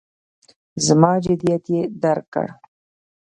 زما جدیت یې درک کړ.